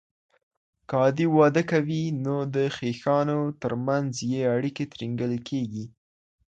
که عادي واده کوي، نو د خيښانو تر منځ ئې اړيکي ترينګلي کيږي.